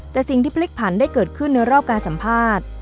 แต่สิ่งที่พลิกผันได้เกิดขึ้นในรอบการสัมภาษณ์